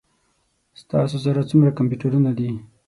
ستاسو سره څومره کمپیوټرونه دي؟